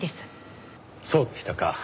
そうでしたか。